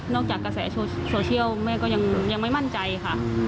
จากกระแสโซเชียลแม่ก็ยังไม่มั่นใจค่ะ